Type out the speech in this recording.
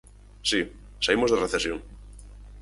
Si, saímos da recesión.